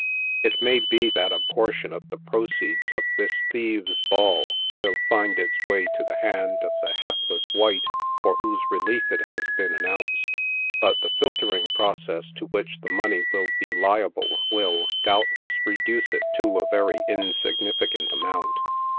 It may be that a portion of the proceeds of this thieves' ball will find its way to the hand of the hapless wight for whose relief it has been announced, but the filtering process to which the money will be liable will, doubtless, reduce it to a very insignificant amount.